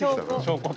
証拠。